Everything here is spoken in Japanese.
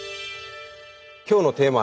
今日のテーマ